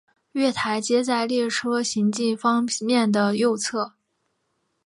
月台皆在列车行进方面的右侧。